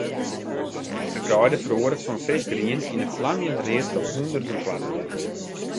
De greide feroaret fan frisgrien yn in flamjend read troch hûnderten klaproazen.